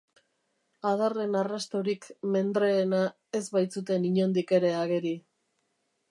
Adarren arrastorik mendreena ez baitzuten inondik ere ageri.